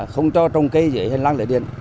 không cho trồng cây dưới hành lang lưới điện